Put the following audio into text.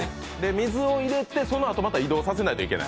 水を入れて、そのあとまた移動させないといけない。